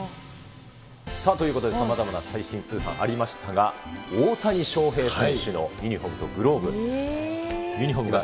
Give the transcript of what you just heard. さあ、ということでさまざまな最新通販ありましたが、大谷翔平選手のユニホームとグローブ。